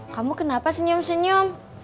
kamu kenapa senyum senyum